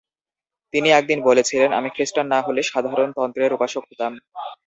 তিনি একদিন বলেছিলেন, "আমি খ্রিস্টান না হলে সাধারণ তন্ত্রের উপাসক হতাম।